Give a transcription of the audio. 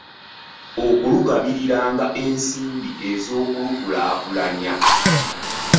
Okulugabiriranga ensimbi ez’okulukulaakulanya